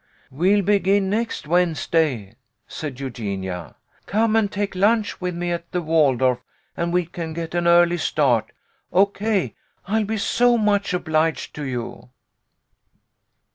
"We'll begin next Wednesday," said Eugenia. "Come and take lunch with me at the Waldorf, and we can get an early start. Ok, I'll be so much obliged to you."